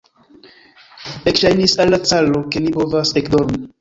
Ekŝajnis al la caro, ke li povas ekdormi.